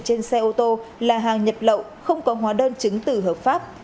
trên xe ô tô là hàng nhập lậu không có hóa đơn chứng từ hợp pháp